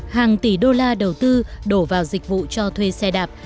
hàng tỷ đô la đầu tư đổ vào dịch vụ cho thuê xe đạp